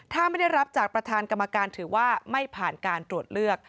ถ้าไม่ได้รับจากประธานกรรมการถือว่าไม่ผ่านการตรวจเลือก